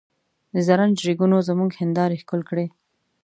د زرنج ریګونو زموږ هندارې ښکل کړې.